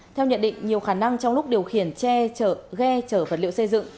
theo nhận định nhiều khả năng trong lúc điều khiển xe chở ghe chở vật liệu xây dựng